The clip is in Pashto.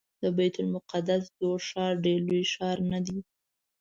د بیت المقدس زوړ ښار ډېر لوی ښار نه دی.